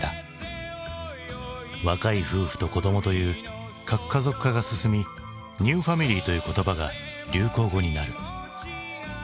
若い夫婦と子供という核家族化が進み「ニューファミリー」という言葉が流行語になる。